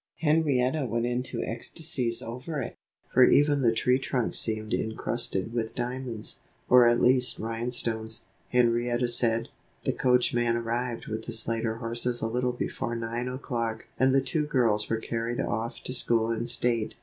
Henrietta went into ecstasies over it, for even the tree trunks seemed incrusted with diamonds or at least rhine stones, Henrietta said. The coachman arrived with the Slater horses a little before nine o'clock and the two girls were carried off to school in state.